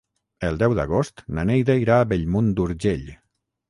El deu d'agost na Neida irà a Bellmunt d'Urgell.